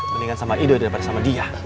mendingan sama ide daripada sama dia